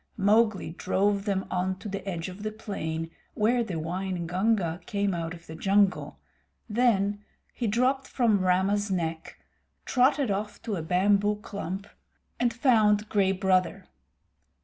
Mowgli drove them on to the edge of the plain where the Waingunga came out of the jungle; then he dropped from Rama's neck, trotted off to a bamboo clump, and found Gray Brother.